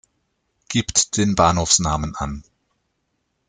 Gibt den Bahnhofsnamen an.